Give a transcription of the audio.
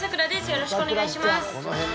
よろしくお願いします。